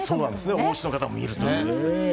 王室の方も見るということです。